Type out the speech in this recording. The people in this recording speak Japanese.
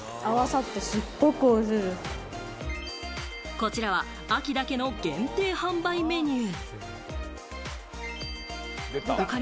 こちらは秋だけの限定販売メニュー。